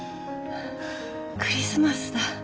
クリスマスだ。